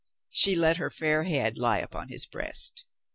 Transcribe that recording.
She let her fair head lie upon his breast.